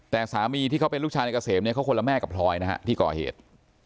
แต่สามีที่เขาเป็นลูกชายในเกษมเนี่ยเขาคนละแม่กับพลอยนะฮะที่ก่อเหตุ